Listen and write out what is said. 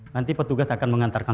nanti petugas akan mengantarkan